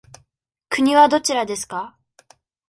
国はどちらですか。